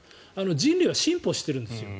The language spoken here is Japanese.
人類は進歩しているんですよ。